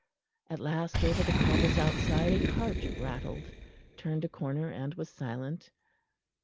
At last over the cobbles outside a cart rattled, turned a corner and was silent.